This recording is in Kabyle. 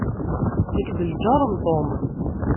Nekk d ljaṛ n Tom.